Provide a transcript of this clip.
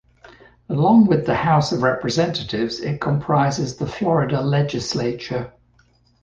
Along with the House of Representatives, it comprises the Florida Legislature.